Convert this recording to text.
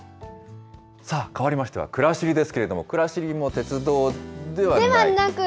さあ、かわりましてはくらしりですけれども、くらしりにも鉄道ではない？